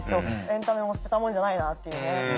エンタメも捨てたもんじゃないなっていうね。